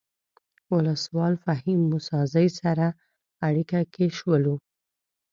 ولسوال فهیم موسی زی سره اړیکه کې شولو.